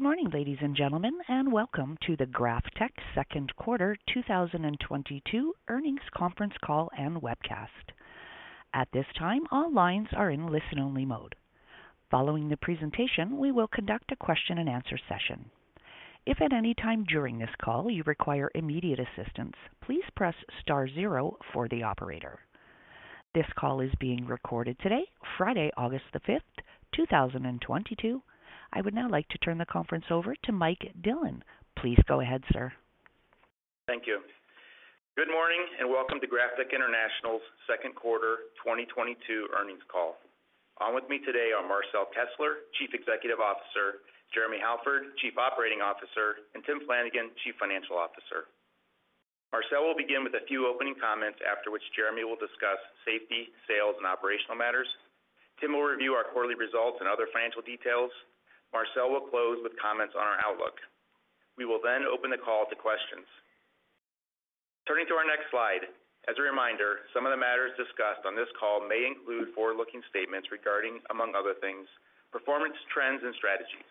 Good morning, ladies and gentlemen, and welcome to the GrafTech second quarter 2022 earnings conference call and webcast. At this time, all lines are in listen-only mode. Following the presentation, we will conduct a question-and-answer session. If at any time during this call you require immediate assistance, please press star zero for the operator. This call is being recorded today, Friday, August 5, 2022. I would now like to turn the conference over to Mike Dillon. Please go ahead, sir. Thank you. Good morning and welcome to GrafTech International's second quarter 2022 earnings call. On with me today are Marcel Kessler, Chief Executive Officer, Jeremy Halford, Chief Operating Officer, and Tim Flanagan, Chief Financial Officer. Marcel will begin with a few opening comments, after which Jeremy will discuss safety, sales, and operational matters. Tim will review our quarterly results and other financial details. Marcel will close with comments on our outlook. We will then open the call to questions. Turning to our next slide. As a reminder, some of the matters discussed on this call may include forward-looking statements regarding, among other things, performance, trends, and strategies.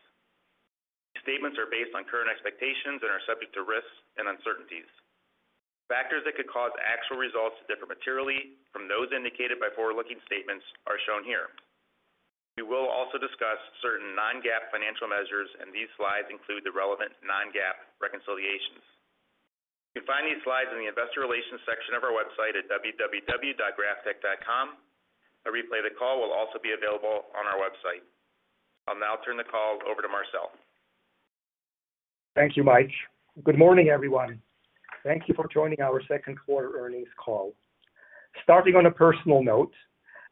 These statements are based on current expectations and are subject to risks and uncertainties. Factors that could cause actual results to differ materially from those indicated by forward-looking statements are shown here. We will also discuss certain non-GAAP financial measures, and these slides include the relevant non-GAAP reconciliations. You can find these slides in the Investor Relations section of our website at www.graftech.com. A replay of the call will also be available on our website. I'll now turn the call over to Marcel. Thank you, Mike. Good morning, everyone. Thank you for joining our second quarter earnings call. Starting on a personal note,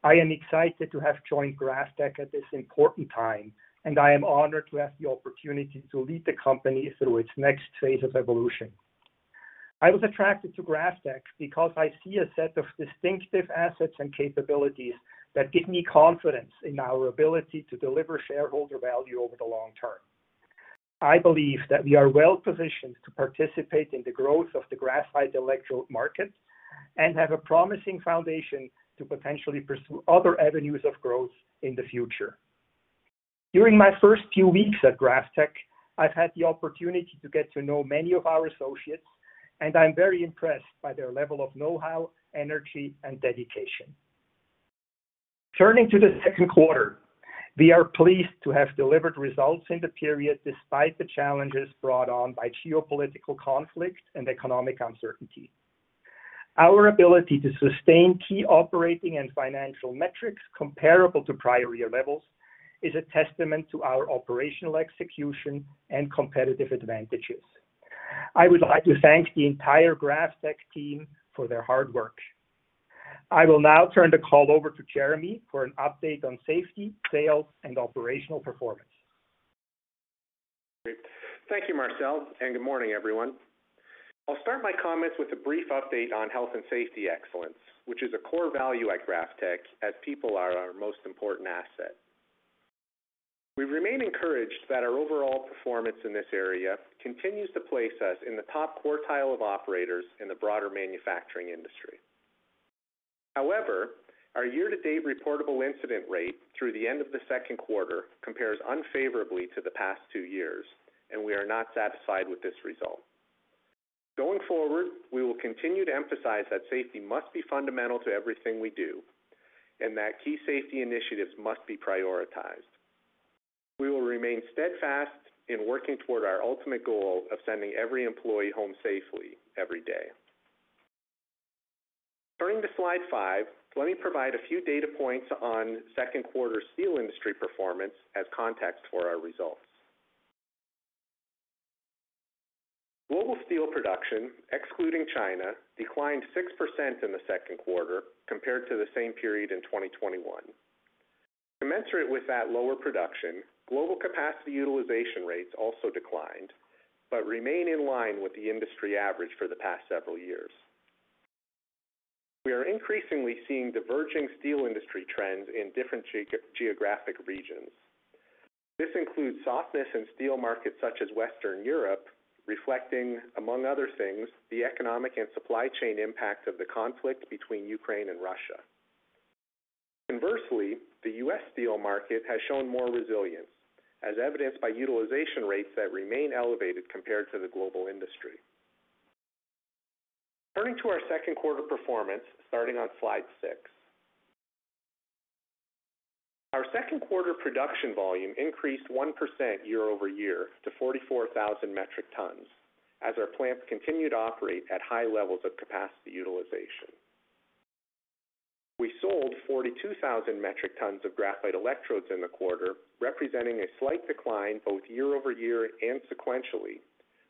I am excited to have joined GrafTech at this important time, and I am honored to have the opportunity to lead the company through its next phase of evolution. I was attracted to GrafTech because I see a set of distinctive assets and capabilities that give me confidence in our ability to deliver shareholder value over the long term. I believe that we are well positioned to participate in the growth of the graphite electrode market and have a promising foundation to potentially pursue other avenues of growth in the future. During my first few weeks at GrafTech, I've had the opportunity to get to know many of our associates, and I'm very impressed by their level of know-how, energy, and dedication. Turning to the second quarter, we are pleased to have delivered results in the period despite the challenges brought on by geopolitical conflict and economic uncertainty. Our ability to sustain key operating and financial metrics comparable to prior year levels is a testament to our operational execution and competitive advantages. I would like to thank the entire GrafTech team for their hard work. I will now turn the call over to Jeremy for an update on safety, sales, and operational performance. Great. Thank you, Marcel, and good morning, everyone. I'll start my comments with a brief update on health and safety excellence, which is a core value at GrafTech as people are our most important asset. We remain encouraged that our overall performance in this area continues to place us in the top quartile of operators in the broader manufacturing industry. However, our year-to-date reportable incident rate through the end of the second quarter compares unfavorably to the past two years, and we are not satisfied with this result. Going forward, we will continue to emphasize that safety must be fundamental to everything we do, and that key safety initiatives must be prioritized. We will remain steadfast in working toward our ultimate goal of sending every employee home safely every day. Turning to slide five, let me provide a few data points on second quarter steel industry performance as context for our results. Global steel production, excluding China, declined 6% in the second quarter compared to the same period in 2021. Commensurate with that lower production, global capacity utilization rates also declined, but remain in line with the industry average for the past several years. We are increasingly seeing diverging steel industry trends in different geographic regions. This includes softness in steel markets such as Western Europe, reflecting, among other things, the economic and supply chain impact of the conflict between Ukraine and Russia. Conversely, the U.S. steel market has shown more resilience, as evidenced by utilization rates that remain elevated compared to the global industry. Turning to our second quarter performance, starting on slide six. Our second quarter production volume increased 1% year over year to 44,000 metric tons as our plants continued to operate at high levels of capacity utilization. We sold 42,000 metric tons of graphite electrodes in the quarter, representing a slight decline both year over year and sequentially,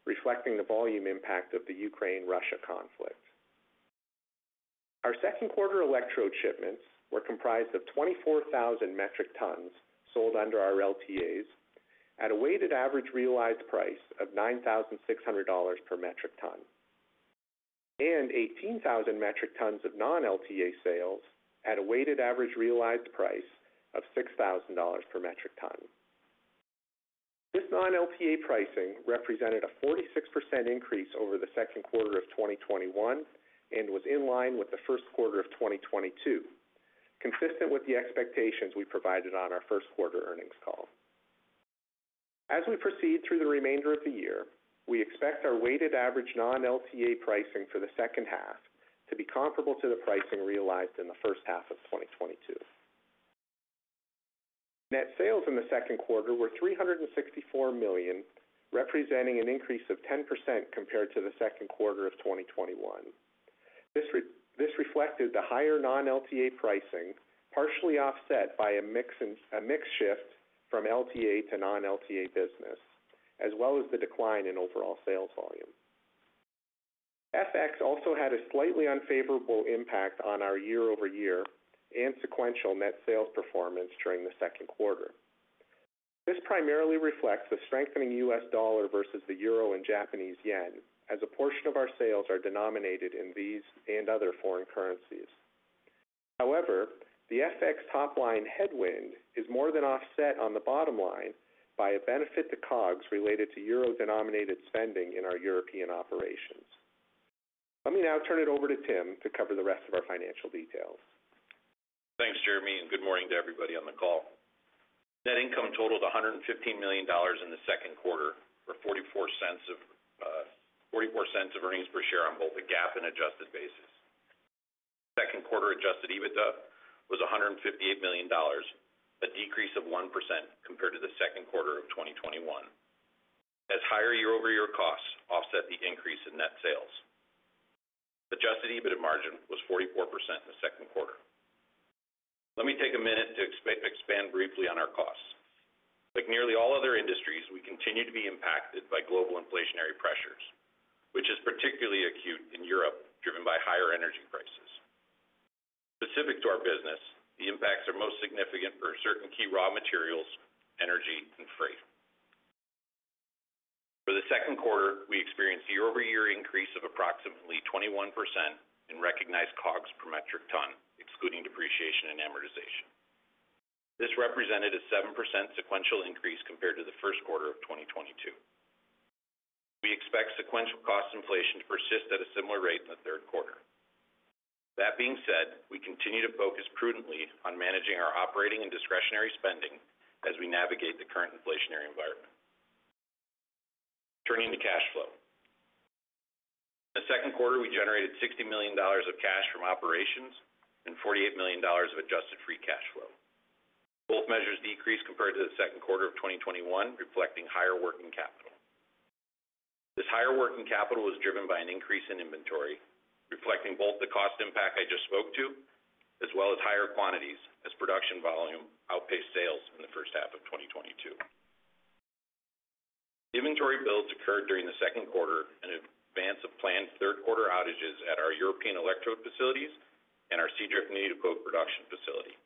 reflecting the volume impact of the Ukraine-Russia conflict. Our second quarter electrode shipments were comprised of 24,000 metric tons sold under our LTAs at a weighted average realized price of $9,600 per metric ton, and 18,000 metric tons of non-LTA sales at a weighted average realized price of $6,000 per metric ton. This non-LTA pricing represented a 46% increase over the second quarter of 2021 and was in line with the first quarter of 2022. Consistent with the expectations we provided on our first quarter earnings call. As we proceed through the remainder of the year, we expect our weighted average non-LTA pricing for the second half to be comparable to the pricing realized in the first half of 2022. Net sales in the second quarter were $364 million, representing an increase of 10% compared to the second quarter of 2021. This reflected the higher non-LTA pricing, partially offset by a mix shift from LTA to non-LTA business, as well as the decline in overall sales volume. FX also had a slightly unfavorable impact on our year-over-year and sequential net sales performance during the second quarter. This primarily reflects the strengthening U.S. dollar versus the euro and Japanese yen, as a portion of our sales are denominated in these and other foreign currencies. However, the FX top line headwind is more than offset on the bottom line by a benefit to COGS related to euro-denominated spending in our European operations. Let me now turn it over to Tim to cover the rest of our financial details. Thanks, Jeremy, and good morning to everybody on the call. Net income totaled $115 million in the second quarter, or $0.44 of earnings per share on both the GAAP and adjusted basis. Second quarter adjusted EBITDA was $158 million, a decrease of 1% compared to the second quarter of 2021, as higher year-over-year costs offset the increase in net sales. Adjusted EBITDA margin was 44% in the second quarter. Let me take a minute to expand briefly on our costs. Like nearly all other industries, we continue to be impacted by global inflationary pressures, which is particularly acute in Europe, driven by higher energy prices. Specific to our business, the impacts are most significant for certain key raw materials, energy and freight. For the second quarter, we experienced year-over-year increase of approximately 21% in recognized COGS per metric ton, excluding depreciation and amortization. This represented a 7% sequential increase compared to the first quarter of 2022. We expect sequential cost inflation to persist at a similar rate in the third quarter. That being said, we continue to focus prudently on managing our operating and discretionary spending as we navigate the current inflationary environment. Turning to cash flow. In the second quarter, we generated $60 million of cash from operations and $48 million of adjusted free cash flow. Both measures decreased compared to the second quarter of 2021, reflecting higher working capital. This higher working capital was driven by an increase in inventory, reflecting both the cost impact I just spoke to, as well as higher quantities as production volume outpaced sales in the first half of 2022. Inventory builds occurred during the second quarter in advance of planned third quarter outages at our European electrode facilities and our Seadrift needle coke production facility.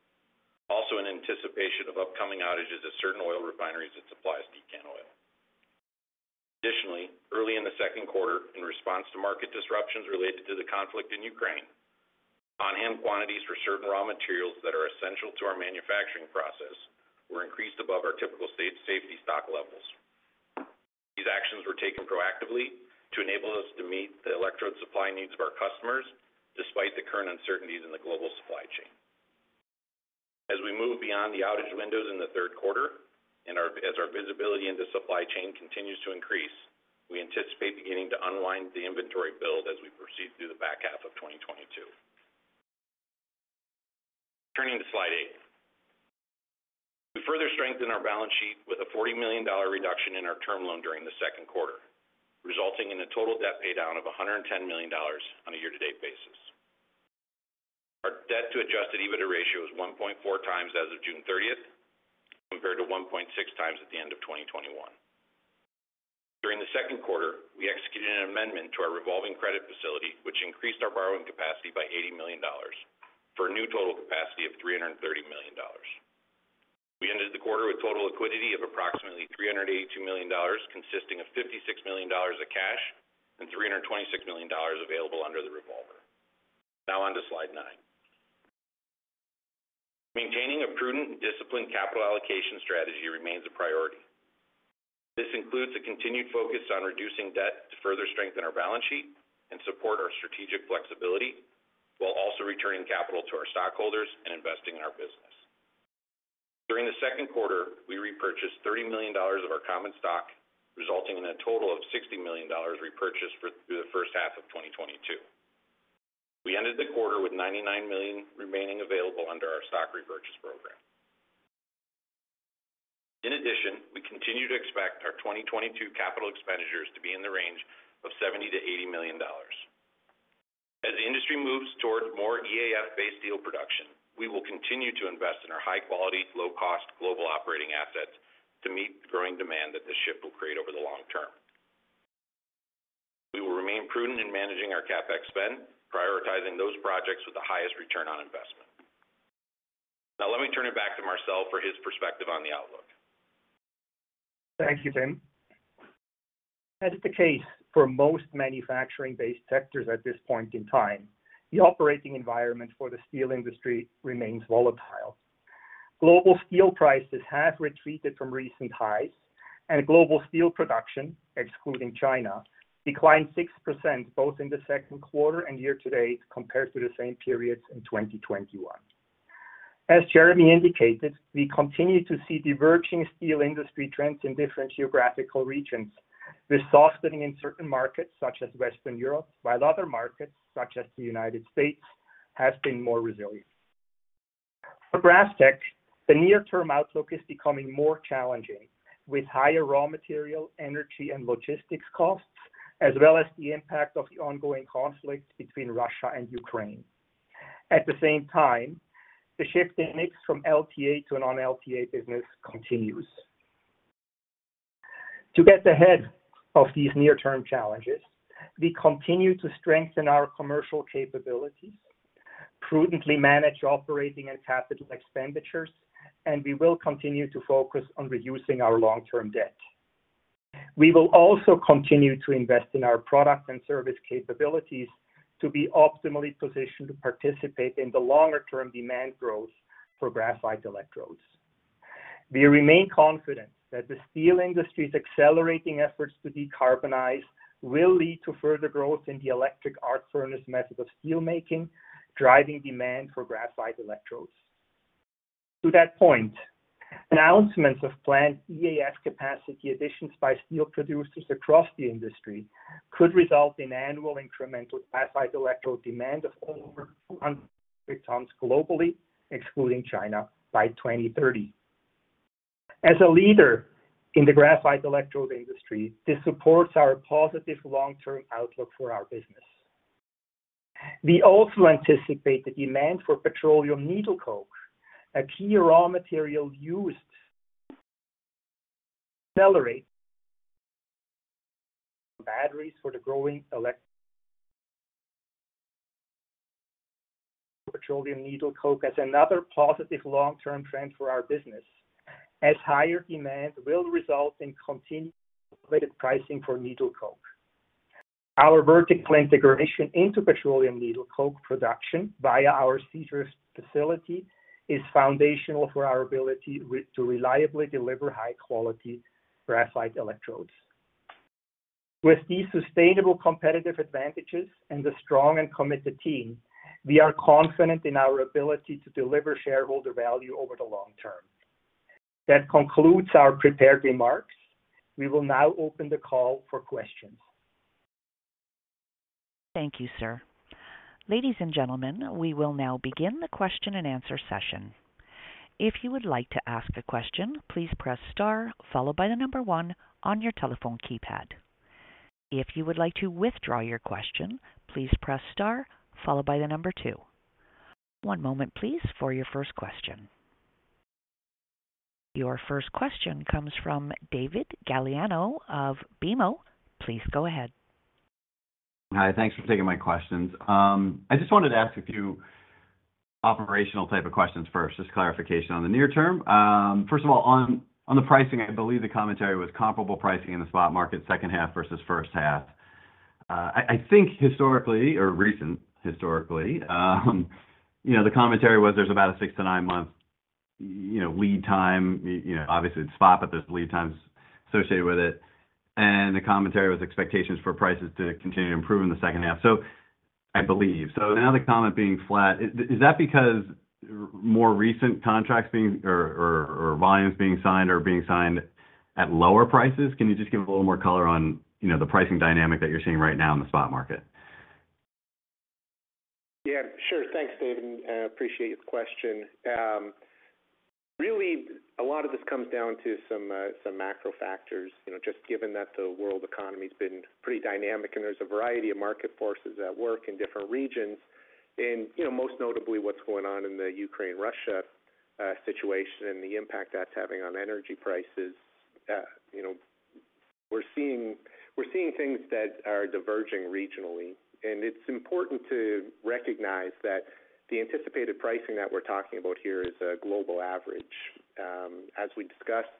Also, in anticipation of upcoming outages at certain oil refineries that supply decant oil. Additionally, early in the second quarter, in response to market disruptions related to the conflict in Ukraine, on-hand quantities for certain raw materials that are essential to our manufacturing process were increased above our typical safety stock levels. These actions were taken proactively to enable us to meet the electrode supply needs of our customers, despite the current uncertainties in the global supply chain. As we move beyond the outage windows in the third quarter as our visibility into supply chain continues to increase, we anticipate beginning to unwind the inventory build as we proceed through the back half of 2022. Turning to slide eight. We further strengthened our balance sheet with a $40 million reduction in our term loan during the second quarter, resulting in a total debt paydown of $110 million on a year-to-date basis. Our debt to adjusted EBITDA ratio is 1.4x as of June 30, compared to 1.6x at the end of 2021. During the second quarter, we executed an amendment to our revolving credit facility, which increased our borrowing capacity by $80 million, for a new total capacity of $330 million. We ended the quarter with total liquidity of approximately $382 million, consisting of $56 million of cash and $326 million available under the revolver. Now on to slide nine. Maintaining a prudent and disciplined capital allocation strategy remains a priority. This includes a continued focus on reducing debt to further strengthen our balance sheet and support our strategic flexibility, while also returning capital to our stockholders and investing in our business. During the second quarter, we repurchased $30 million of our common stock, resulting in a total of $60 million repurchased through the first half of 2022. We ended the quarter with $99 million remaining available under our stock repurchase program. In addition, we continue to expect our 2022 capital expenditures to be in the range of $70 million-$80 million. As the industry moves towards more EAF-based steel production, we will continue to invest in our high quality, low cost global operating assets to meet the growing demand that this shift will create over the long term. We will remain prudent in managing our CapEx spend, prioritizing those projects with the highest return on investment. Now let me turn it back to Marcel for his perspective on the outlook. Thank you, Tim. As is the case for most manufacturing-based sectors at this point in time, the operating environment for the steel industry remains volatile. Global steel prices have retreated from recent highs, and global steel production, excluding China, declined 6% both in the second quarter and year to date compared to the same periods in 2021. As Jeremy indicated, we continue to see diverging steel industry trends in different geographical regions with softening in certain markets such as Western Europe, while other markets, such as the United States, has been more resilient. For GrafTech, the near-term outlook is becoming more challenging with higher raw material, energy and logistics costs, as well as the impact of the ongoing conflict between Russia and Ukraine. At the same time, the shift in mix from LTA to non-LTA business continues. To get ahead of these near-term challenges, we continue to strengthen our commercial capabilities, prudently manage operating and capital expenditures, and we will continue to focus on reducing our long-term debt. We will also continue to invest in our product and service capabilities to be optimally positioned to participate in the longer-term demand growth for graphite electrodes. We remain confident that the steel industry's accelerating efforts to decarbonize will lead to further growth in the electric arc furnace method of steel making, driving demand for graphite electrodes. To that point, announcements of planned EAF capacity additions by steel producers across the industry could result in annual incremental graphite electrode demand of over 200 tons globally, excluding China by 2030. As a leader in the graphite electrode industry, this supports our positive long-term outlook for our business. We also anticipate the demand for petroleum needle coke, a key raw material, as another positive long-term trend for our business, as higher demand will result in continued pricing for needle coke. Our vertical integration into petroleum needle coke production via our Seadrift facility is foundational for our ability to reliably deliver high-quality graphite electrodes. With these sustainable competitive advantages and the strong and committed team, we are confident in our ability to deliver shareholder value over the long term. That concludes our prepared remarks. We will now open the call for questions. Thank you, sir. Ladies and gentlemen, we will now begin the question and answer session. If you would like to ask a question, please press star followed by the number one on your telephone keypad. If you would like to withdraw your question, please press star followed by the number two. One moment please for your first question. Your first question comes from David Gagliano of BMO. Please go ahead. Hi. Thanks for taking my questions. I just wanted to ask a few operational type of questions first, just clarification on the near term. First of all, on the pricing, I believe the commentary was comparable pricing in the spot market second half versus first half. I think historically or recent historically, you know, the commentary was there's about a six to nine-month lead time. You know, obviously it's spot, but there's lead times associated with it. The commentary was expectations for prices to continue to improve in the second half. I believe. Now the comment being flat, is that because more recent contracts being or volumes being signed are being signed at lower prices? Can you just give a little more color on, you know, the pricing dynamic that you're seeing right now in the spot market? Yeah, sure. Thanks, David. I appreciate the question. Really a lot of this comes down to some macro factors. You know, just given that the world economy has been pretty dynamic and there's a variety of market forces at work in different regions, and, you know, most notably what's going on in the Ukraine-Russia situation and the impact that's having on energy prices. You know, we're seeing things that are diverging regionally, and it's important to recognize that the anticipated pricing that we're talking about here is a global average. As we discussed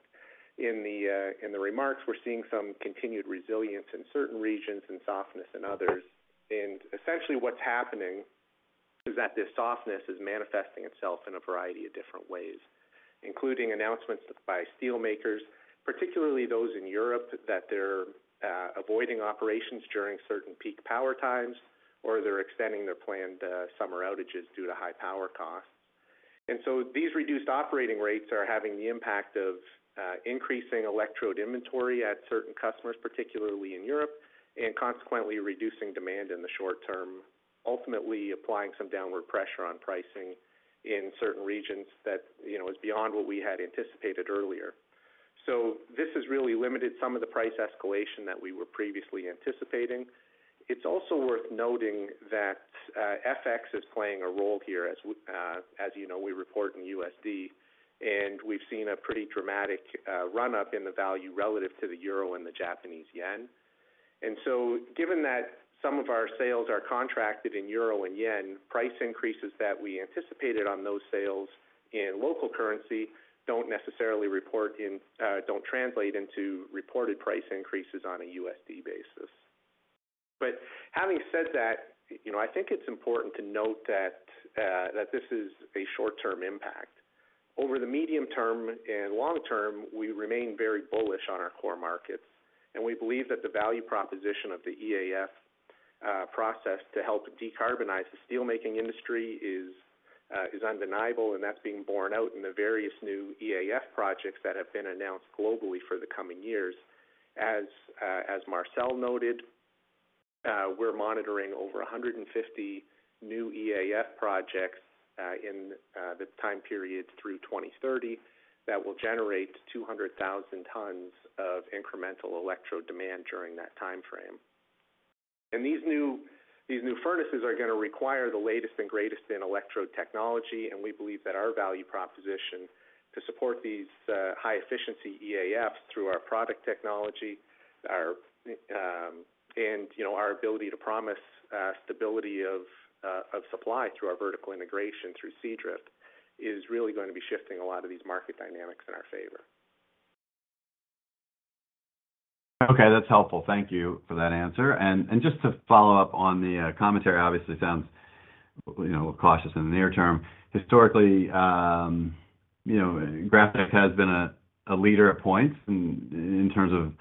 in the remarks, we're seeing some continued resilience in certain regions and softness in others. Essentially what's happening is that this softness is manifesting itself in a variety of different ways, including announcements by steel makers, particularly those in Europe, that they're avoiding operations during certain peak power times, or they're extending their planned summer outages due to high power costs. These reduced operating rates are having the impact of increasing electrode inventory at certain customers, particularly in Europe, and consequently reducing demand in the short term, ultimately applying some downward pressure on pricing in certain regions that, you know, is beyond what we had anticipated earlier. This has really limited some of the price escalation that we were previously anticipating. It's also worth noting that FX is playing a role here. As you know, we report in USD, and we've seen a pretty dramatic run-up in the value relative to the euro and the Japanese yen. Given that some of our sales are contracted in euro and yen, price increases that we anticipated on those sales in local currency don't necessarily translate into reported price increases on a USD basis. Having said that, you know, I think it's important to note that this is a short-term impact. Over the medium-term and long-term, we remain very bullish on our core markets, and we believe that the value proposition of the EAF process to help decarbonize the steelmaking industry is undeniable, and that's being borne out in the various new EAF projects that have been announced globally for the coming years. As Marcel noted, we're monitoring over 150 new EAF projects in the time period through 2030 that will generate 200,000 tons of incremental electrode demand during that timeframe. These new furnaces are gonna require the latest and greatest in electrode technology, and we believe that our value proposition to support these high-efficiency EAFs through our product technology, our... You know, our ability to promise stability of supply through our vertical integration through Seadrift is really gonna be shifting a lot of these market dynamics in our favor. Okay. That's helpful. Thank you for that answer. Just to follow up on the, commentary obviously sounds, you know, cautious in the near term. Historically, you know, graphite has been a leader at points in terms of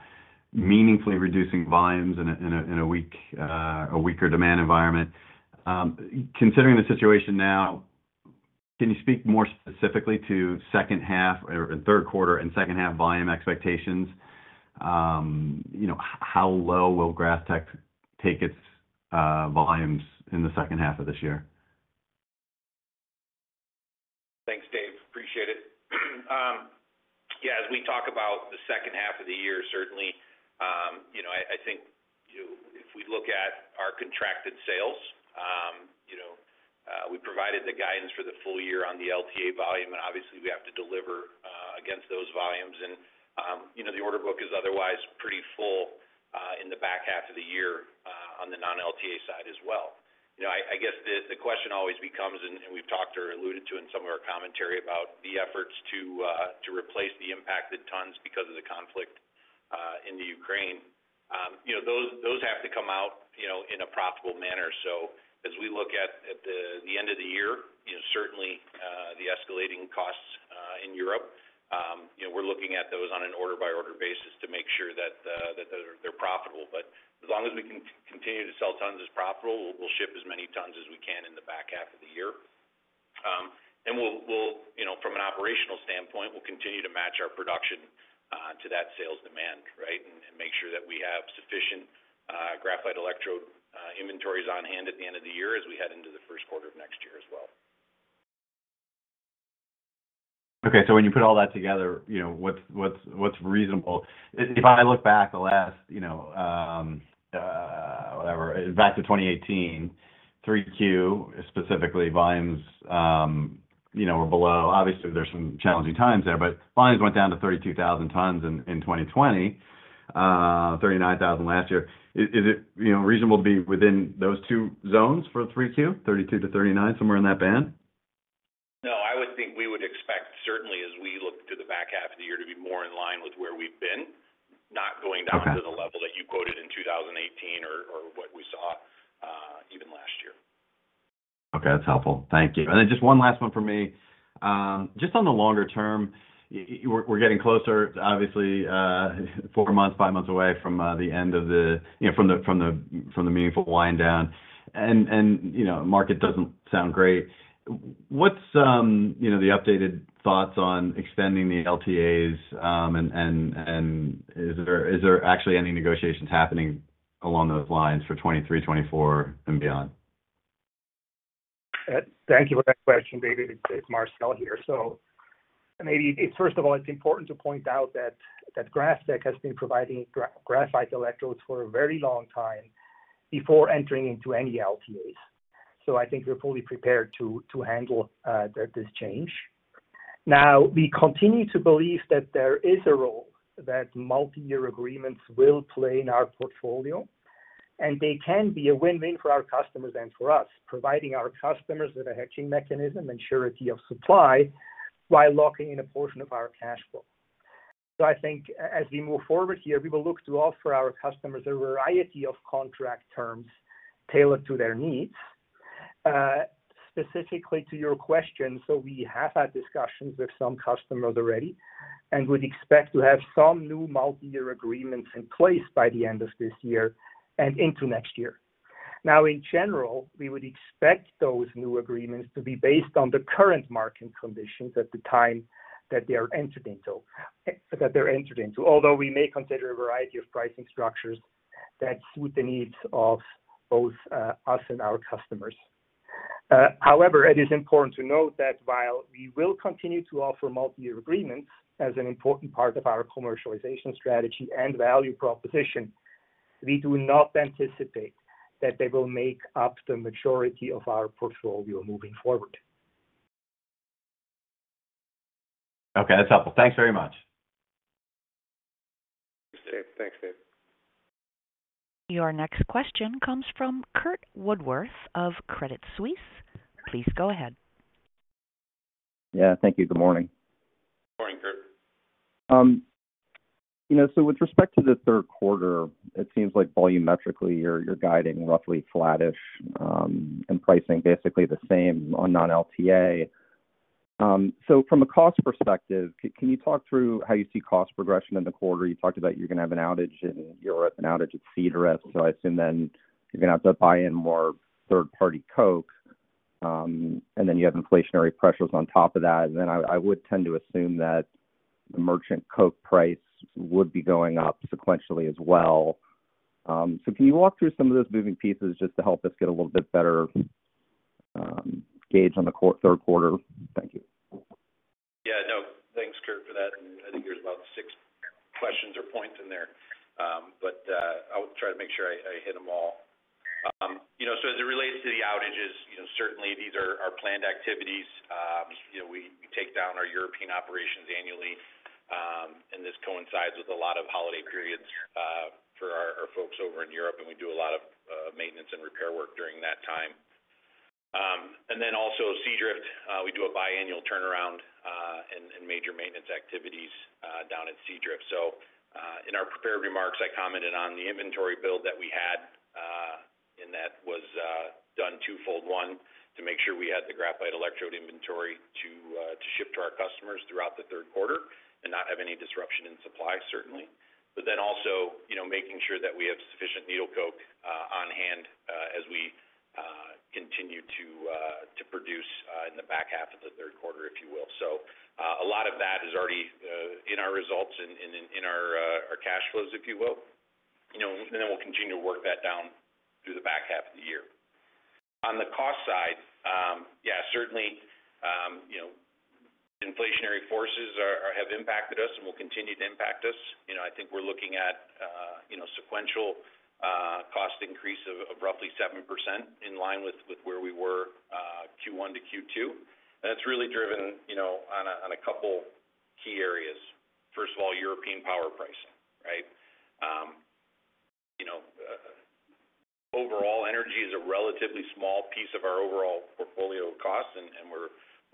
meaningfully reducing volumes in a weaker demand environment. Considering the situation now, can you speak more specifically to second half or third quarter and second half volume expectations? You know, how low will GrafTech take its volumes in the second half of this year? Thanks, Dave. Appreciate it. Yeah, as we talk about the second half of the year, certainly, you know, I think, you know, if we look at our contracted sales, you know, we provided the guidance for the full-year on the LTA volume, and obviously we have to deliver against those volumes. You know, the order book is otherwise pretty full in the back half of the year on the non-LTA side as well. You know, I guess the question always becomes, and we've talked or alluded to in some of our commentary about the efforts to replace the impacted tons because of the conflict in the Ukraine. You know, those have to come out, you know, in a profitable manner. As we look at the end of the year, you know, certainly the escalating costs in Europe, you know, we're looking at those on an order by order basis to make sure that they're profitable. But as long as we can continue to sell tons as profitable, we'll ship as many tons as we can in the back half of the year. We'll, you know, from an operational standpoint, we'll continue to match our production to that sales demand, right? Make sure that we have sufficient graphite electrode inventories on hand at the end of the year as we head into the first quarter of next year as well. Okay. When you put all that together, you know, what's reasonable? If I look back the last, you know, whatever, back to 2018, 3Q, specifically, volumes, you know, were below. Obviously, there's some challenging times there, but volumes went down to 32,000 tons in 2020. 39,000 last year. Is it, you know, reasonable to be within those two zones for 3Q, 32,000-39,000, somewhere in that band? No, I would think we would expect certainly as we look to the back half of the year to be more in line with where we've been, not going down. Okay. To the level that you quoted in 2018 or what we saw even last year. Okay. That's helpful. Thank you. Just one last one for me. Just on the longer term, we're getting closer, obviously, four months, five months away from the end of the, you know, from the meaningful wind down and, you know, market doesn't sound great. What's the updated thoughts on extending the LTAs and is there actually any negotiations happening along those lines for 2023, 2024 and beyond? Thank you for that question, David. It's Marcel here. Maybe it's first of all important to point out that GrafTech has been providing graphite electrodes for a very long time before entering into any LTAs. I think we're fully prepared to handle this change. Now, we continue to believe that there is a role that multi-year agreements will play in our portfolio, and they can be a win-win for our customers and for us, providing our customers with a hedging mechanism and surety of supply while locking in a portion of our cash flow. I think as we move forward here, we will look to offer our customers a variety of contract terms tailored to their needs. Specifically to your question, we have had discussions with some customers already and would expect to have some new multi-year agreements in place by the end of this year and into next year. Now, in general, we would expect those new agreements to be based on the current market conditions at the time that they're entered into. Although we may consider a variety of pricing structures that suit the needs of both us and our customers. However, it is important to note that while we will continue to offer multi-year agreements as an important part of our commercialization strategy and value proposition, we do not anticipate that they will make up the majority of our portfolio moving forward. Okay. That's helpful. Thanks very much. Thanks, David. Your next question comes from Curt Woodworth of Credit Suisse. Please go ahead. Yeah. Thank you. Good morning. Morning, Curt. You know, with respect to the third quarter, it seems like volumetrically, you're guiding roughly flattish, and pricing basically the same on non-LTA. From a cost perspective, can you talk through how you see cost progression in the quarter? You talked about you're gonna have an outage in Europe, an outage at Seadrift. I assume then you're gonna have to buy in more third-party coke, and then you have inflationary pressures on top of that. Then I would tend to assume that the merchant coke price would be going up sequentially as well. Can you walk through some of those moving pieces just to help us get a little bit better gauge on the third quarter? Thank you. Yeah. No. Thanks, Curt, for that. I think there's about six questions or points in there. I'll try to make sure I hit them all. You know, as it relates to the outages, you know, certainly these are planned activities. You know, we take down our European operations annually, and this coincides with a lot of holiday periods for our folks over in Europe, and we do a lot of maintenance and repair work during that time. Also Seadrift, we do a biannual turnaround and major maintenance activities down at Seadrift. In our prepared remarks, I commented on the inventory build that we had, and that was done twofold. One, to make sure we had the graphite electrode inventory to ship to our customers throughout the third quarter and not have any disruption in supply, certainly. Then also, you know, making sure that we have sufficient needle coke on hand as we continue to produce in the back half of the third quarter, if you will. A lot of that is already in our results in our cash flows, if you will. You know, and then we'll continue to work that down through the back half of the year. On the cost side, yeah, certainly, you know, inflationary forces have impacted us and will continue to impact us. You know, I think we're looking at you know, sequential cost increase of roughly 7% in line with where we were Q1 to Q2. It's really driven you know, on a couple key areas. First of all, European power pricing, right? You know, overall energy is a relatively small piece of our overall portfolio cost, and we're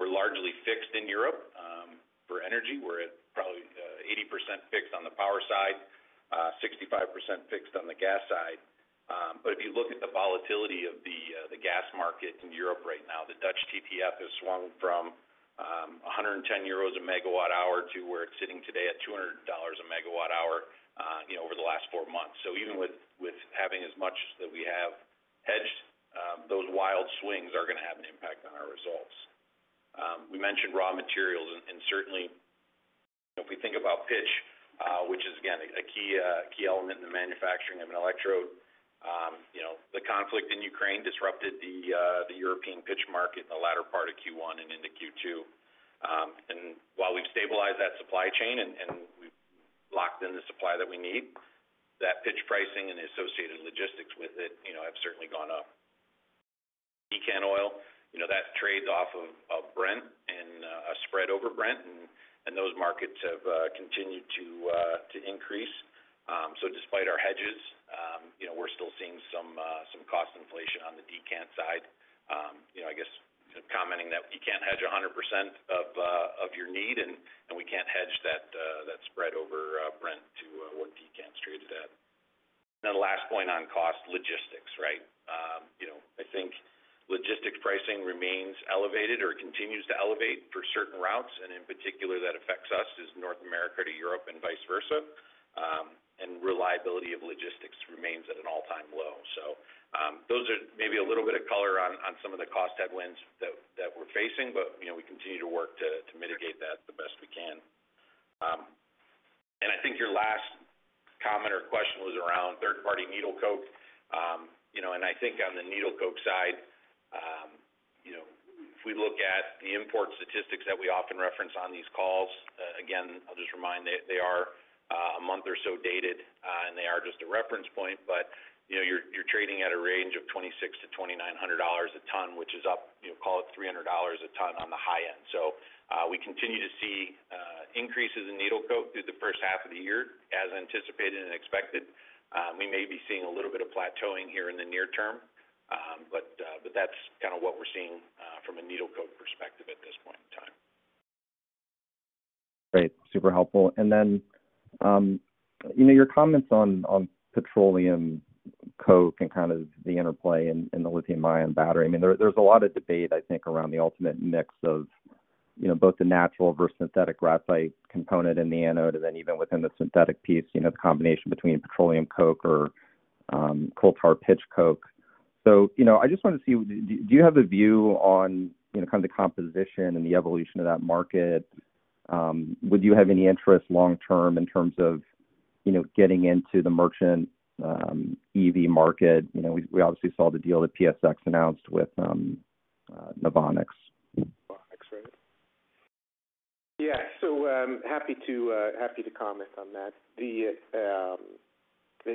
largely fixed in Europe for energy. We're at probably 80% fixed on the power side, 65% fixed on the gas side. If you look at the volatility of the gas market in Europe right now, the Dutch TTF has swung from 110 euros/MWh to where it's sitting today at EUR 200/MWh you know, over the last four months. Even with having as much as that we have hedged, those wild swings are gonna have an impact on our results. We mentioned raw materials, and certainly if we think about pitch, which is again a key element in the manufacturing of an electrode, you know, the conflict in Ukraine disrupted the European pitch market in the latter part of Q1 and into Q2. While we've stabilized that supply chain and we've locked in the supply that we need, that pitch pricing and the associated logistics with it, you know, have certainly gone up. Decant oil, you know, that trades off of Brent and a spread over Brent, and those markets have continued to increase. Despite our hedges, you know, we're still seeing some cost inflation on the decant side. You know, I guess commenting that we can't hedge 100% of our need and we can't hedge that spread over Brent to what decant's traded at. Then last point on cost, logistics, right? You know, I think logistics pricing remains elevated or continues to elevate for certain routes, and in particular that affects us is North America to Europe and vice versa. Reliability of logistics remains at an all-time low. Those are maybe a little bit of color on some of the cost headwinds that we're facing. You know, we continue to work to mitigate that the best we can. I think your last comment or question was around third-party needle coke. You know, I think on the needle coke side, you know, if we look at the import statistics that we often reference on these calls, again, I'll just remind they are a month or so dated, and they are just a reference point. You know, you're trading at a range of $2,600-$2,900 a ton, which is up, you know, call it $300 a ton on the high end. We continue to see increases in needle coke through the first half of the year. As anticipated and expected, we may be seeing a little bit of plateauing here in the near term. That's kinda what we're seeing from a needle coke perspective at this point in time. Great. Super helpful. You know, on petroleum coke and kind of the interplay in the lithium-ion battery, I mean, there's a lot of debate, I think, around the ultimate mix of, you know, both the natural versus synthetic graphite component in the anode, and then even within the synthetic piece, you know, the combination between petroleum coke or coal tar pitch coke. You know, I just wanted to see, do you have a view on, you know, kind of the composition and the evolution of that market? Would you have any interest long term in terms of, you know, getting into the merchant EV market? You know, we obviously saw the deal that PSX announced with NOVONIX. NOVONIX. Right. Yeah. Happy to comment on that.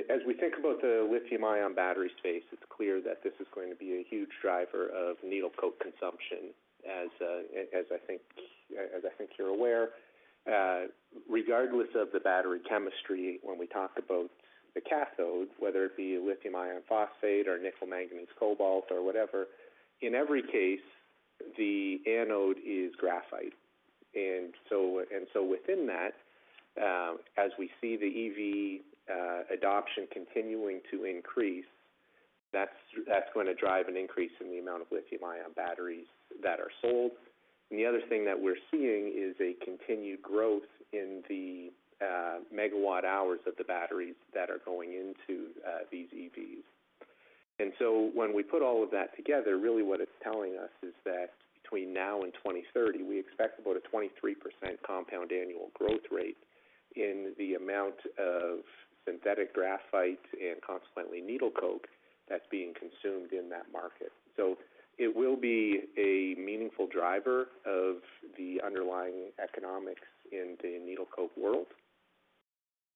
As we think about the lithium-ion battery space, it's clear that this is going to be a huge driver of needle coke consumption, as I think you're aware. Regardless of the battery chemistry, when we talk about the cathode, whether it be lithium iron phosphate or nickel manganese cobalt or whatever, in every case, the anode is graphite. Within that, as we see the EV adoption continuing to increase, that's gonna drive an increase in the amount of lithium-ion batteries that are sold. The other thing that we're seeing is a continued growth in the megawatt hours of the batteries that are going into these EVs. When we put all of that together, really what it's telling us is that between now and 2030, we expect about a 23% compound annual growth rate in the amount of synthetic graphite and consequently needle coke that's being consumed in that market. It will be a meaningful driver of the underlying economics in the needle coke world.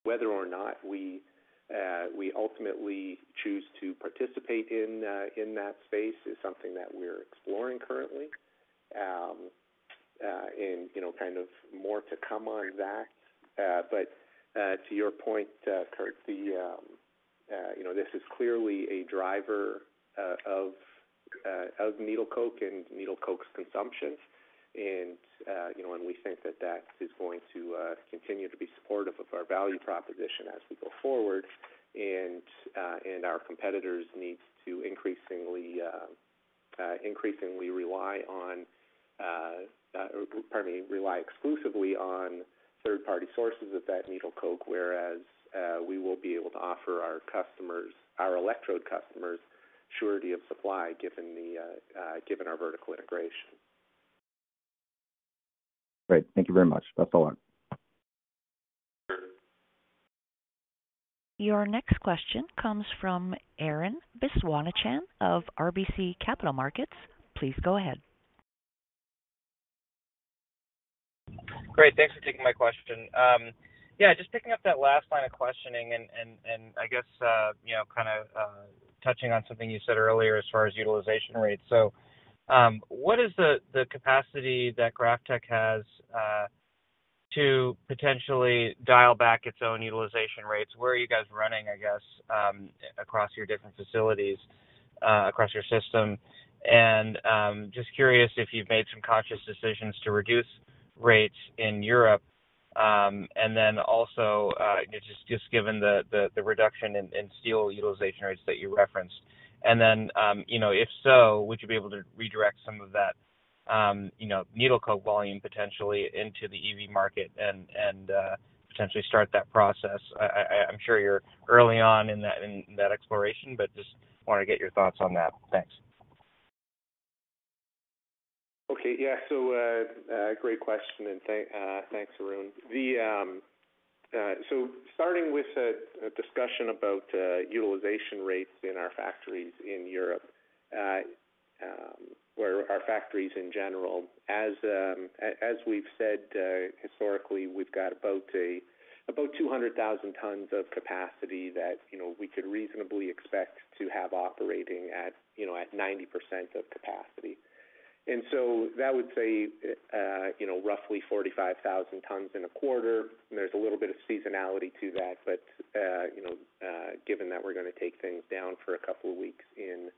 Whether or not we ultimately choose to participate in that space is something that we're exploring currently, and, you know, kind of more to come on that. To your point, Curt, this is clearly a driver of needle coke and needle coke's consumption. We think that is going to continue to be supportive of our value proposition as we go forward. Our competitors need to increasingly rely exclusively on third-party sources of that needle coke, or pardon me, whereas we will be able to offer our customers, our electrode customers, surety of supply given our vertical integration. Great. Thank you very much. That's all on. Your next question comes from Arun Viswanathan of RBC Capital Markets. Please go ahead. Great. Thanks for taking my question. Yeah, just picking up that last line of questioning and I guess, you know, kind of, touching on something you said earlier as far as utilization rates. What is the capacity that GrafTech has to potentially dial back its own utilization rates? Where are you guys running, I guess, across your different facilities, across your system? Just curious if you've made some conscious decisions to reduce rates in Europe, and then also, just given the reduction in steel utilization rates that you referenced. You know, if so, would you be able to redirect some of that, you know, needle coke volume potentially into the EV market and potentially start that process? I'm sure you're early on in that exploration, but just wanna get your thoughts on that. Thanks. Great question, and thanks, Arun. Starting with a discussion about utilization rates in our factories in Europe, or our factories in general. As we've said, historically, we've got about 200,000 tons of capacity that, you know, we could reasonably expect to have operating at, you know, at 90% of capacity. That would say, you know, roughly 45,000 tons in a quarter. There's a little bit of seasonality to that, but, you know, given that we're gonna take things down for a couple of weeks in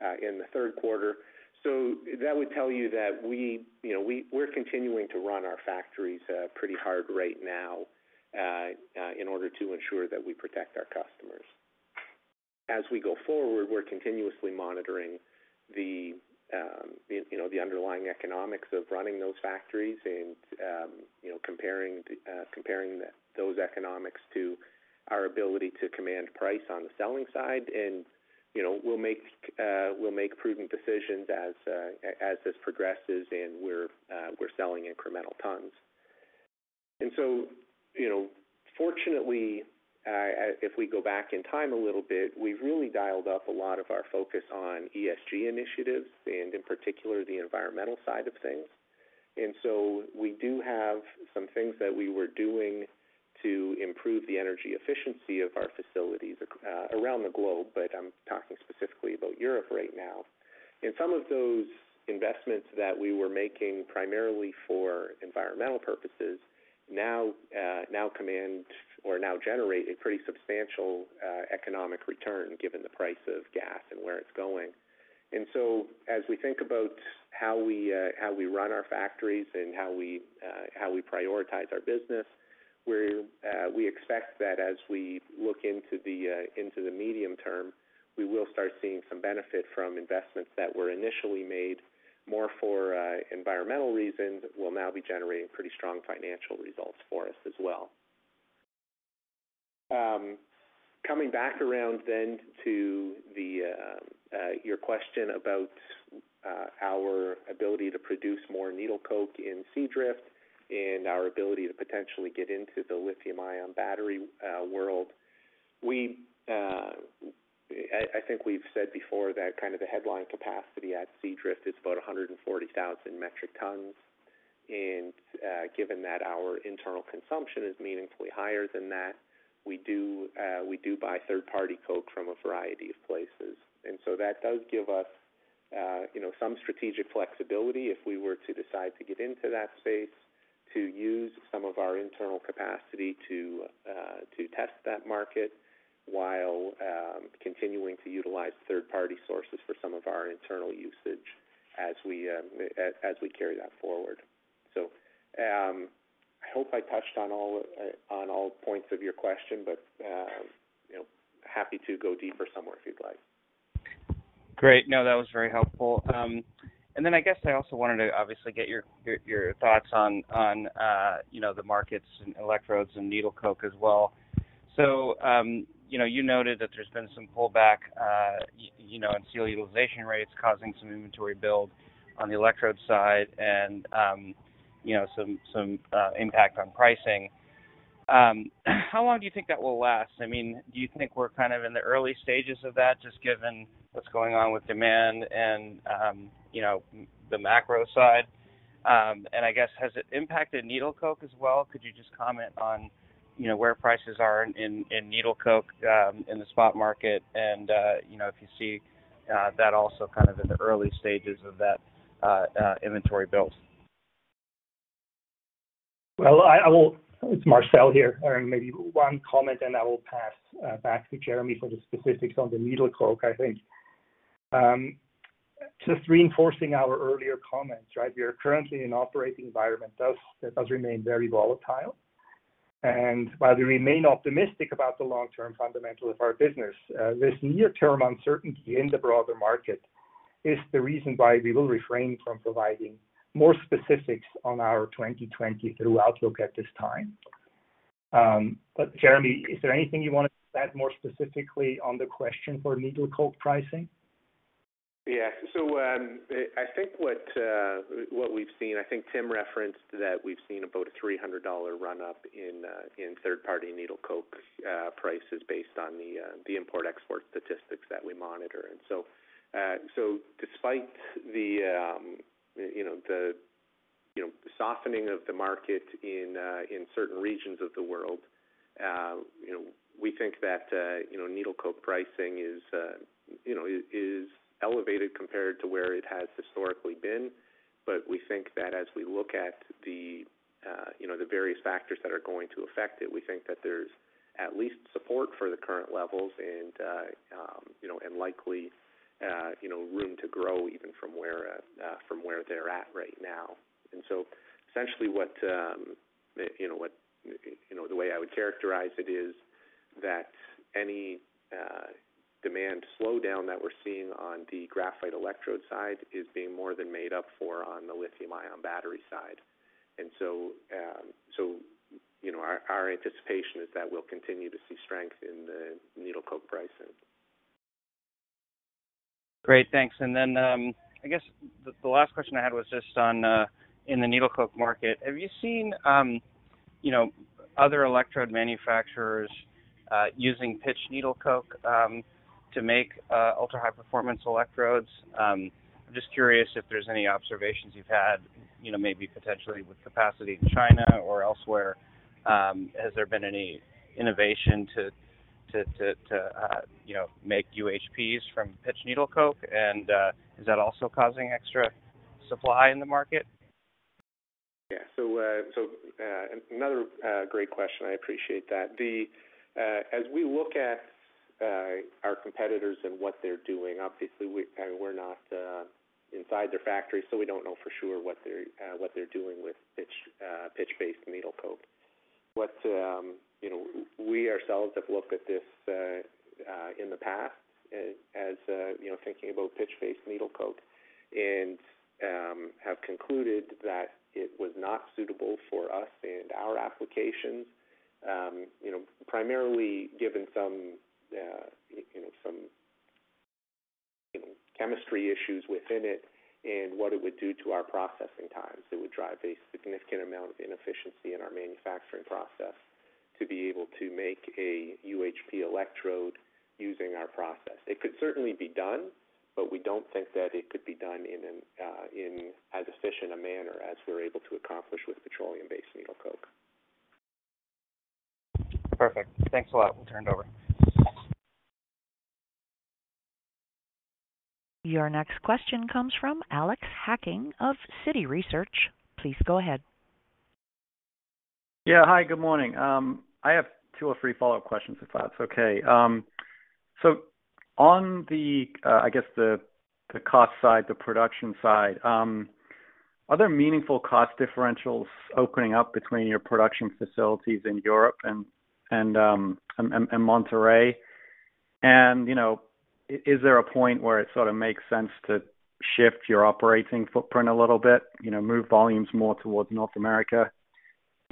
the third quarter. That would tell you that we, you know, we're continuing to run our factories pretty hard right now in order to ensure that we protect our customers. As we go forward, we're continuously monitoring the, you know, the underlying economics of running those factories and, you know, comparing those economics to our ability to command price on the selling side. You know, we'll make prudent decisions as this progresses, and we're selling incremental tons. You know, fortunately, if we go back in time a little bit, we've really dialed up a lot of our focus on ESG initiatives and in particular, the environmental side of things. We do have some things that we were doing to improve the energy efficiency of our facilities around the globe, but I'm talking specifically about Europe right now. Some of those investments that we were making primarily for environmental purposes now command or generate a pretty substantial economic return given the price of gas and where it's going. As we think about how we run our factories and how we prioritize our business, we expect that as we look into the medium term, we will start seeing some benefit from investments that were initially made more for environmental reasons will now be generating pretty strong financial results for us as well. Coming back around to your question about our ability to produce more needle coke in Seadrift and our ability to potentially get into the lithium-ion battery world. I think we've said before that kind of the headline capacity at Seadrift is about 140,000 metric tons. Given that our internal consumption is meaningfully higher than that, we buy third-party coke from a variety of places. That does give us, you know, some strategic flexibility if we were to decide to get into that space, to use some of our internal capacity to test that market while continuing to utilize third-party sources for some of our internal usage as we carry that forward. I hope I touched on all points of your question, but you know, happy to go deeper somewhere if you'd like. Great. No, that was very helpful. I guess I also wanted to obviously get your thoughts on, you know, the markets and electrodes and needle coke as well. You know, you noted that there's been some pullback, you know, in steel utilization rates causing some inventory build on the electrode side and, you know, some impact on pricing. How long do you think that will last? I mean, do you think we're kind of in the early stages of that just given what's going on with demand and, you know, the macro side? I guess, has it impacted needle coke as well? Could you just comment on, you know, where prices are in needle coke in the spot market and, you know, if you see that also kind of in the early stages of that inventory build? Well, I will. It's Marcel here. Maybe one comment, then I will pass back to Jeremy for the specifics on the needle coke. I think, just reinforcing our earlier comments, right? We are currently in operating environment that remains very volatile. While we remain optimistic about the long-term fundamental of our business, this near-term uncertainty in the broader market is the reason why we will refrain from providing more specifics on our 2020 through outlook at this time. Jeremy, is there anything you wanted to add more specifically on the question for needle coke pricing? I think what we've seen. I think Tim referenced that we've seen about a $300 run up in third-party needle coke prices based on the import/export statistics that we monitor. Despite the you know, softening of the market in certain regions of the world, you know, we think that needle coke pricing is you know, is elevated compared to where it has historically been. We think that as we look at the various factors that are going to affect it, we think that there's at least support for the current levels and you know, and likely you know, room to grow even from where they're at right now. Essentially, you know, the way I would characterize it is that any demand slowdown that we're seeing on the graphite electrode side is being more than made up for on the lithium-ion battery side. You know, our anticipation is that we'll continue to see strength in the needle coke pricing. Great. Thanks. I guess the last question I had was just on in the needle coke market. Have you seen, you know, other electrode manufacturers using pitch needle coke to make ultra-high performance electrodes? I'm just curious if there's any observations you've had, you know, maybe potentially with capacity in China or elsewhere. Has there been any innovation to you know, make UHPs from pitch needle coke? Is that also causing extra supply in the market? Yeah. Another great question. I appreciate that. As we look at our competitors and what they're doing, obviously, I mean, we're not inside their factory, so we don't know for sure what they're doing with pitch-based needle coke. We ourselves have looked at this in the past, you know, thinking about pitch-based needle coke and have concluded that it was not suitable for us and our applications, you know, primarily given some chemistry issues within it and what it would do to our processing times. It would drive a significant amount of inefficiency in our manufacturing process to be able to make a UHP electrode using our process. It could certainly be done, but we don't think that it could be done in as efficient a manner as we're able to accomplish with petroleum-based needle coke. Perfect. Thanks a lot. We'll turn it over. Your next question comes from Alex Hacking of Citi Research. Please go ahead. Yeah. Hi, good morning. I have two or three follow-up questions, if that's okay. I guess the cost side, the production side, are there meaningful cost differentials opening up between your production facilities in Europe and Monterrey? Is there a point where it sort of makes sense to shift your operating footprint a little bit, you know, move volumes more towards North America,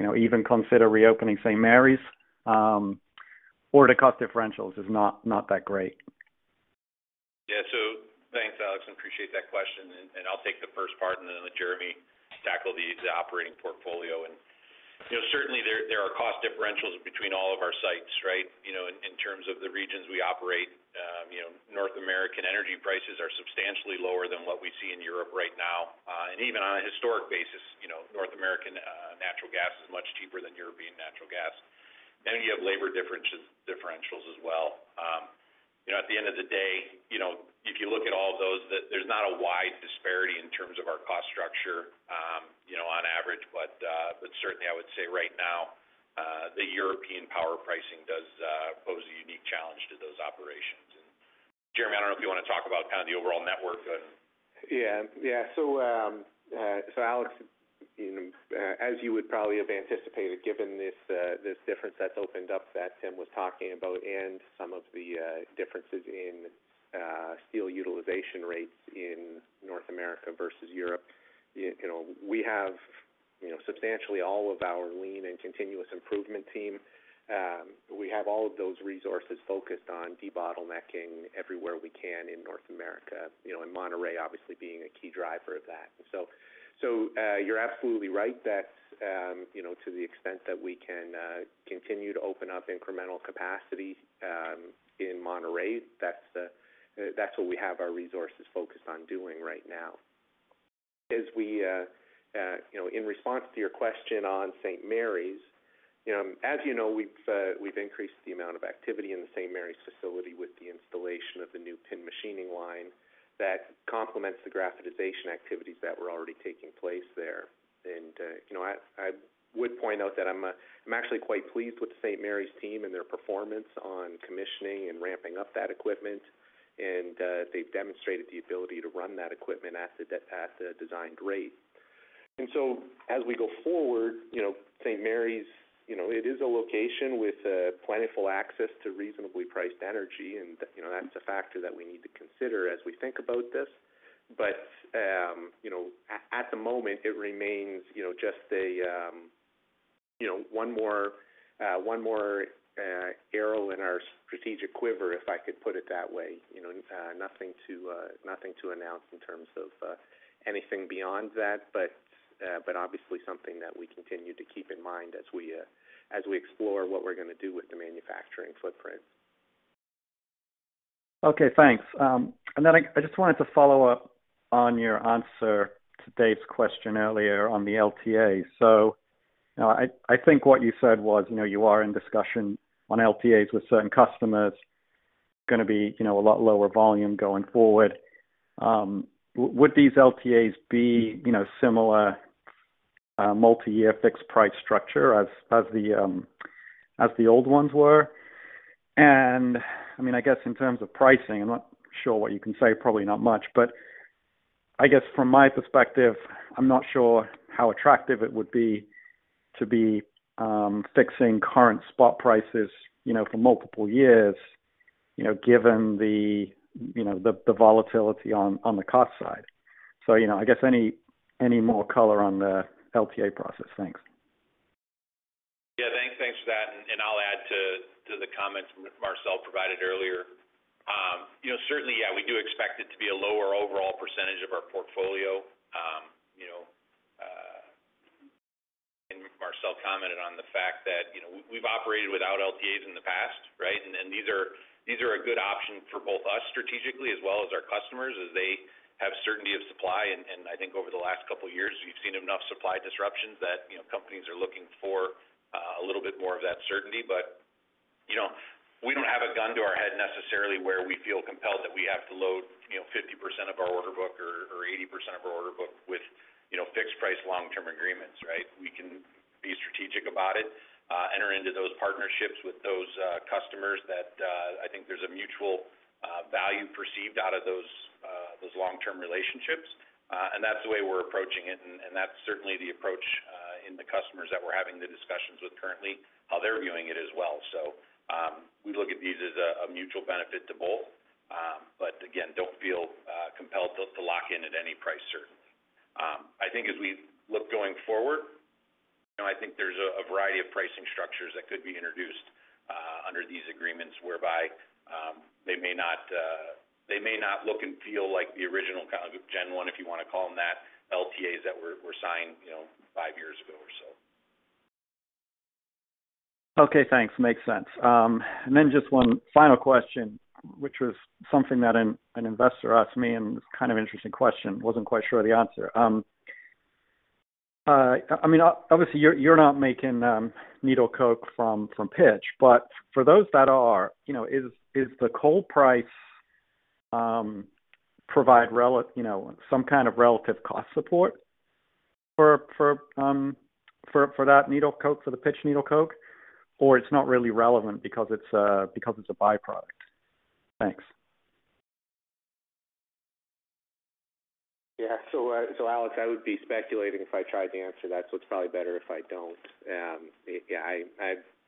you know, even consider reopening St. Mary's? Or the cost differentials is not that great. Yeah. Thanks, Alex. I appreciate that question. I'll take the first part and then let Jeremy tackle the operating portfolio. You know, certainly there are cost differentials between all of our sites, right? You know, in terms of the regions we operate, you know, North American energy prices are substantially lower than what we see in Europe right now. Even on a historic basis, you know, North American natural gas is much cheaper than European natural gas. You have labor differentials as well. You know, at the end of the day, you know, if you look at all of those, there's not a wide disparity in terms of our cost structure, you know, on average. But certainly I would say right now, the European power pricing does pose a unique challenge to those operations. Jeremy, I don't know if you wanna talk about kind of the overall network. Alex, you know, as you would probably have anticipated, given this difference that's opened up that Tim was talking about and some of the differences in steel utilization rates in North America versus Europe, you know, we have substantially all of our lean and continuous improvement team, we have all of those resources focused on debottlenecking everywhere we can in North America, you know, and Monterrey obviously being a key driver of that. You're absolutely right that, you know, to the extent that we can continue to open up incremental capacity in Monterrey, that's what we have our resources focused on doing right now. As we, you know, in response to your question on St. Mary's, you know, as you know, we've increased the amount of activity in the St. Mary's facility with the installation of the new pin machining line that complements the graphitization activities that were already taking place there. I would point out that I'm actually quite pleased with St. Mary's team and their performance on commissioning and ramping up that equipment, and they've demonstrated the ability to run that equipment at the designed rate. As we go forward, you know, St. Mary's, you know, it is a location with plentiful access to reasonably priced energy, and that's a factor that we need to consider as we think about this. You know, at the moment it remains, you know, just a you know one more arrow in our strategic quiver, if I could put it that way. You know, nothing to announce in terms of anything beyond that, but obviously something that we continue to keep in mind as we explore what we're gonna do with the manufacturing footprint. Okay, thanks. I just wanted to follow up on your answer to David's question earlier on the LTAs. You know, I think what you said was, you know, you are in discussion on LTAs with certain customers, gonna be, you know, a lot lower volume going forward. Would these LTAs be, you know, similar multiyear fixed price structure as the old ones were? I mean, I guess in terms of pricing, I'm not sure what you can say, probably not much, but I guess from my perspective, I'm not sure how attractive it would be to be fixing current spot prices, you know, for multiple years, you know, given the volatility on the cost side. You know, I guess any more color on the LTA process. Thanks. Yeah, thanks. Thanks for that. I'll add to the comments Marcel provided earlier. You know, certainly, yeah, we do expect it to be a lower overall percentage of our portfolio. Marcel commented on the fact that, you know, we've operated without LTAs in the past, right? These are a good option for both us strategically as well as our customers as they have certainty of supply. I think over the last couple of years, we've seen enough supply disruptions that, you know, companies are looking for a little bit more of that certainty. You know, we don't have a gun to our head necessarily where we feel compelled that we have to load, you know, 50% of our order book or 80% of our order book with, you know, fixed price long-term agreements, right? We can be strategic about it, enter into those partnerships with those customers that I think there's a mutual value perceived out of those long-term relationships. And that's the way we're approaching it, and that's certainly the approach with the customers that we're having the discussions with currently, how they're viewing it as well. We look at these as a mutual benefit to both. Again, don't feel compelled to lock in at any price certainly. I think as we look going forward, you know, I think there's a variety of pricing structures that could be introduced under these agreements whereby they may not look and feel like the original kind of gen one, if you wanna call them that, LTAs that were signed, you know, five years ago or so. Okay, thanks. Makes sense. Just one final question, which was something that an investor asked me, and it's kind of an interesting question. Wasn't quite sure of the answer. I mean, obviously you're not making needle coke from pitch, but for those that are, you know, is the coal price provide some kind of relative cost support for that needle coke, for the pitch needle coke? Or it's not really relevant because it's a byproduct? Thanks. Alex, I would be speculating if I tried to answer that, so it's probably better if I don't. I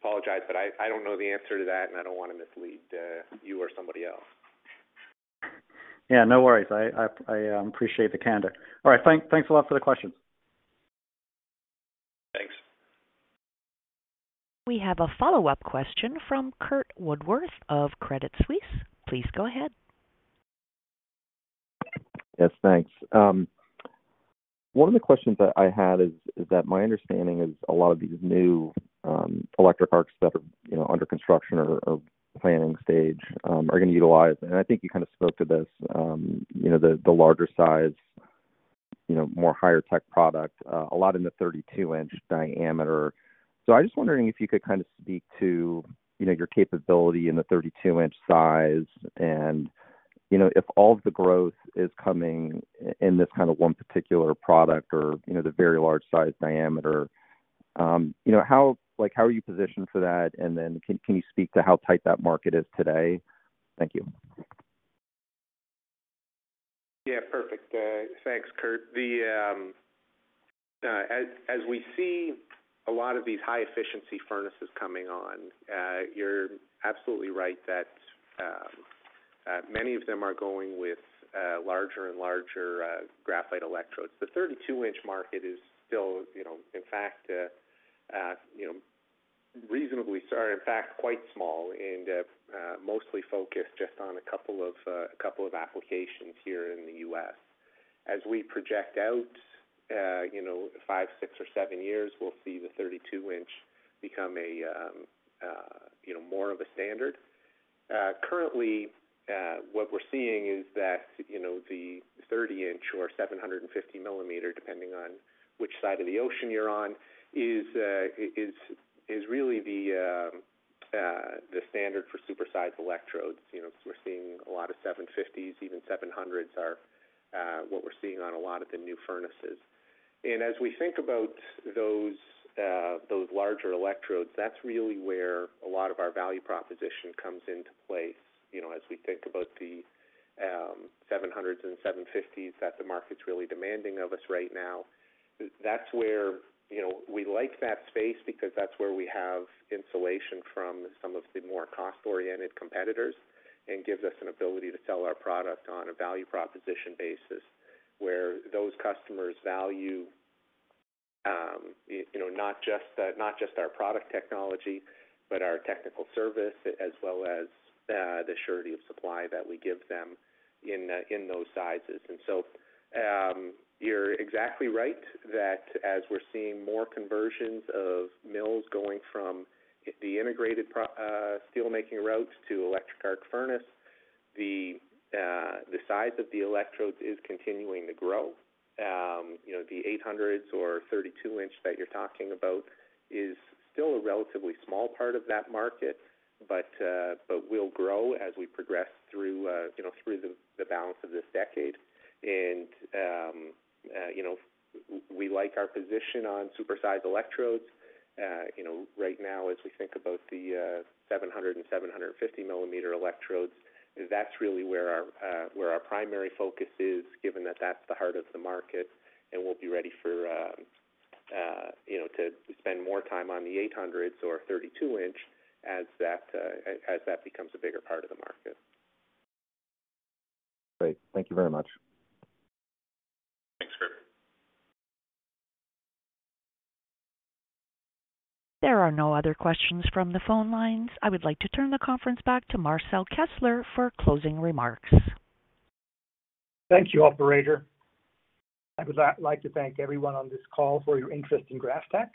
apologize, but I don't know the answer to that, and I don't wanna mislead you or somebody else. Yeah, no worries. I appreciate the candor. All right. Thanks a lot for the questions. Thanks. We have a follow-up question from Curt Woodworth of Credit Suisse. Please go ahead. Yes, thanks. One of the questions that I had is that my understanding is a lot of these new electric arcs that are, you know, under construction or planning stage are gonna utilize, and I think you kind of spoke to this, you know, the larger size. You know, more higher tech product, a lot in the 32-in diameter. So I was just wondering if you could kind of speak to, you know, your capability in the 32-in size and, you know, if all of the growth is coming in this kind of one particular product or, you know, the very large size diameter. You know, like, how are you positioned for that? And then can you speak to how tight that market is today? Thank you. Yeah, perfect. Thanks, Curt. As we see a lot of these high efficiency furnaces coming on, you're absolutely right that many of them are going with larger and larger graphite electrodes. The 32-in market is still, you know, in fact, reasonably so, in fact, quite small and mostly focused just on a couple of applications here in the U.S.. As we project out, you know, five, six or seven years, we'll see the 32-in become more of a standard. Currently, what we're seeing is that, you know, the 30-in or 750-mm, depending on which side of the ocean you're on, is really the standard for super-sized electrodes. You know, we're seeing a lot of 750s, even 700s are what we're seeing on a lot of the new furnaces. As we think about those larger electrodes, that's really where a lot of our value proposition comes into place. You know, as we think about the 700s and 750s that the market's really demanding of us right now. That's where, you know, we like that space because that's where we have insulation from some of the more cost-oriented competitors and gives us an ability to sell our product on a value proposition basis, where those customers value, you know, not just our product technology, but our technical service as well as the surety of supply that we give them in those sizes. You're exactly right that as we're seeing more conversions of mills going from the integrated steelmaking routes to electric arc furnace, the size of the electrodes is continuing to grow. You know, the 800s or 32-in that you're talking about is still a relatively small part of that market, but will grow as we progress through you know the balance of this decade. We like our position on super-sized electrodes. You know, right now, as we think about the 750-mm electrodes, that's really where our primary focus is, given that that's the heart of the market. We'll be ready for, you know, to spend more time on the 800s or 32-in as that becomes a bigger part of the market. Great. Thank you very much. Thanks, Curt. There are no other questions from the phone lines. I would like to turn the conference back to Marcel Kessler for closing remarks. Thank you, operator. I would like to thank everyone on this call for your interest in GrafTech,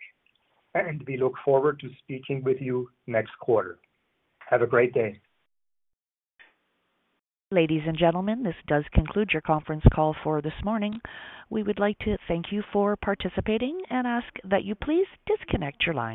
and we look forward to speaking with you next quarter. Have a great day. Ladies and gentlemen, this does conclude your conference call for this morning. We would like to thank you for participating and ask that you please disconnect your lines.